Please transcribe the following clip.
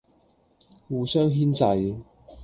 互相牽掣，